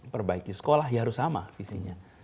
perbaiki sekolah ya harus sama visinya